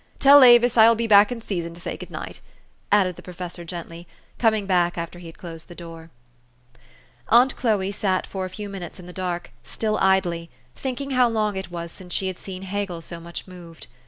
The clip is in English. Tell Avis I will be bck in season to say good night," added the pro fessor gently, coming back after he had closed the door. Aunt Chloe sat for a few minutes in the dark, still idly, thinking how long it was since she had seen Hegel so much moved.